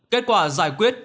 kết quả giải quyết